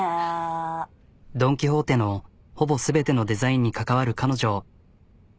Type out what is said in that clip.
ドン・キホーテのほぼ全てのデザインに関わる彼女。